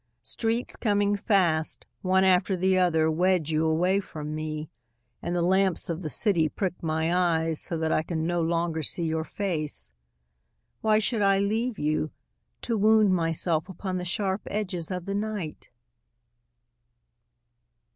Streets coming fast, One after the other, Wedge you away from me, And the lamps of the city prick my eyes So that I can no longer see your face. Why should I leave you, To wound myself upon the sharp edges of the night?